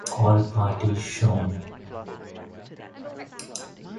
All parties shown.